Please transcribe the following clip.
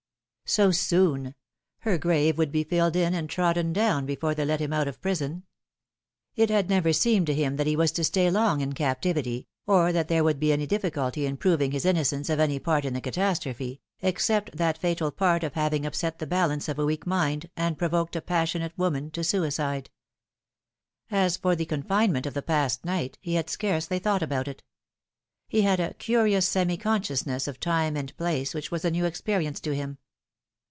So soon ! Her grave would be filled in and trodden down before they let him out of prison. It had never seemed to him that he was to stay long in captivity, or that there could be any difficulty in proving his innocence of any part in the catastrophe, except that fatal part of having upset the balance of a weak mind, and provoked a passionate woman to suicide. As for the confinement of the past night, he had scarcely thought about it. He had a curious semi consciousness of time and place which was a new experience to him.